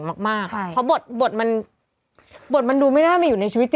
เราก็ทำให้คนรักได้